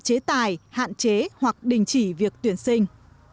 chế tài hạn chế hoặc đình chỉ việc tuyển sinh